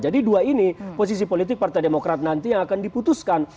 jadi dua ini posisi politik partai demokrat nanti yang akan diputuskan